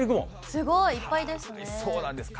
すごい、いっぱいですね。